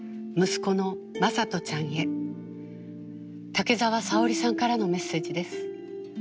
息子の雅人ちゃんへ竹澤さおりさんからのメッセージです。